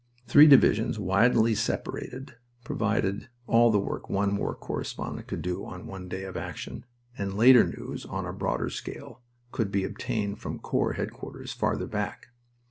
Three divisions widely separated provided all the work one war correspondent could do on one day of action, and later news on a broader scale, could be obtained from corps headquarters farther back.